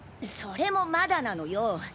それもまだなのよ！